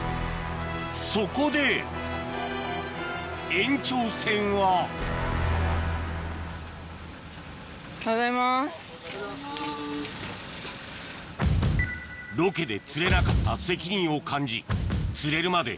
そこで延長戦はロケで釣れなかった責任を感じ釣れるまで